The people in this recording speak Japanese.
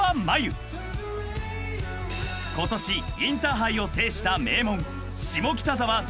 ［今年インターハイを制した］